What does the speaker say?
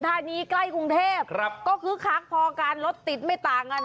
ธานีใกล้กรุงเทพก็คึกคักพอการรถติดไม่ต่างกัน